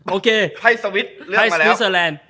โอเคไพ่สวิสเลือกมาแล้ว